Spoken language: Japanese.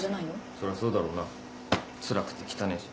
そりゃそうだろうなつらくて汚えし。